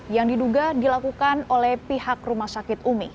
yang diduga dilakukan oleh pihak rumah sakit umi